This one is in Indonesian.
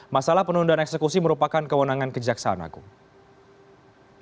masalah penundaan eksekusi merupakan kewenangan kejaksaan agung